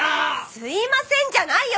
すいませんじゃないよ！